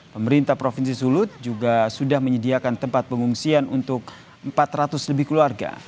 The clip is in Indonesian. pemerintah provinsi sulut juga sudah menyediakan tempat pengungsian untuk empat ratus lebih keluarga